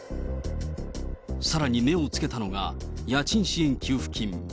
さらに目をつけたのが、家賃支援給付金。